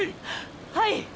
はい！